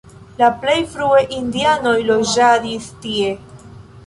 La plej frue indianoj loĝadis tie.